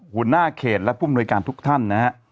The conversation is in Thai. หัวหน้าเขตและผู้มนวยการทุกท่านนะฮะ